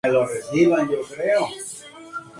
Se toma por vía oral.